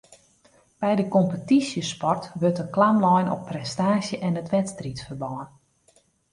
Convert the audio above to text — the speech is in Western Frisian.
By de kompetysjesport wurdt de klam lein op prestaasje en it wedstriidferbân